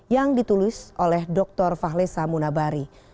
yang ditulis oleh dr fahle samunabari